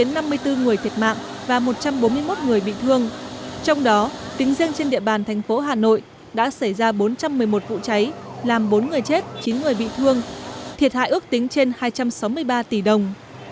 trong đó một trăm bốn mươi một người bị thương trong đó tính riêng trên địa bàn thành phố hà nội đã xảy ra bốn trăm một mươi một vụ cháy làm bốn người chết chín người bị thương thiệt hại ước tính trên hai trăm sáu mươi ba tỷ đồng